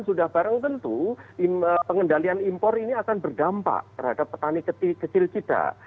sudah barang tentu pengendalian impor ini akan berdampak terhadap petani kecil kita